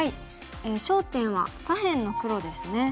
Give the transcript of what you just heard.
焦点は左辺の黒ですね。